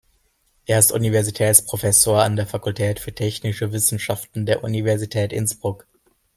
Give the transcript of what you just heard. Er ist Universitätsprofessor an der Fakultät für Technische Wissenschaften der Universität Innsbruck.